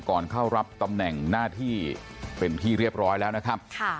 ก่อนเข้ารับตำแหน่งหน้าที่เป็นที่เรียบร้อยแล้วนะครับ